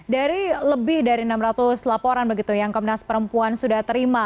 dari lebih dari enam ratus laporan begitu yang komnas perempuan sudah terima